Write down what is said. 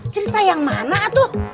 cerita yang mana tuh